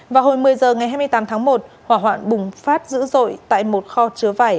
vào hồi một mươi h ngày hai mươi tám tháng một hỏa hoạn bùng phát dữ dội tại một kho chứa vải